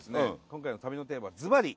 今回の旅のテーマずばり